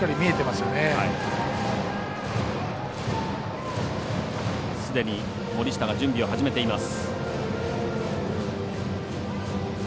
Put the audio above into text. すでに森下が準備を始めています。